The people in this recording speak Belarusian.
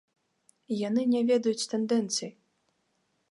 Яны не ведаюць тэндэнцый.